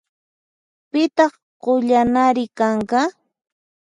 Pitaq qullanari kanqa?